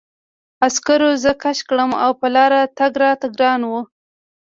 عسکرو زه کش کړم او په لاره تګ راته ګران و